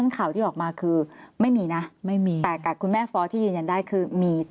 ข่าวที่ออกมาคือไม่มีนะไม่มีแต่กับคุณแม่ฟ้อที่ยืนยันได้คือมี